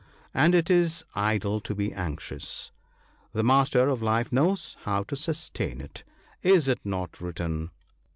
And it is idle to be anxious ; the Master of Life knows how to sustain it. Is it not written